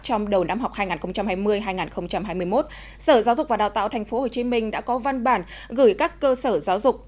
trong đầu năm học hai nghìn hai mươi hai nghìn hai mươi một sở giáo dục và đào tạo tp hcm đã có văn bản gửi các cơ sở giáo dục